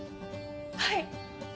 はい！